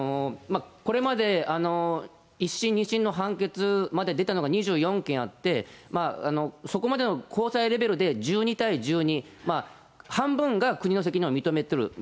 これまで１審、２審の判決まで出たのが２４件あって、そこまでの高裁レベルで１２対１２、半分が国の責任を認めると。